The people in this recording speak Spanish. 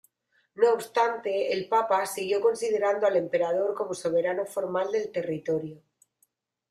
No obstante, el papa siguió considerando al emperador como soberano formal del territorio.